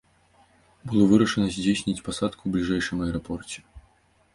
Было вырашана здзейсніць пасадку ў бліжэйшым аэрапорце.